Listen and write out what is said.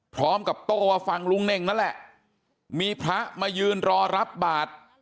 โต้ว่าฟังลุงเน่งนั่นแหละมีพระมายืนรอรับบาท